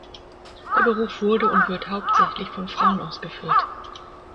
Der Beruf wurde und wird hauptsächlich von Frauen ausgeführt.